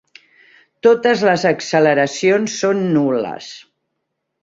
Totes les acceleracions són nul·les.